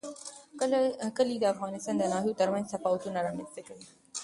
کلي د افغانستان د ناحیو ترمنځ تفاوتونه رامنځ ته کوي.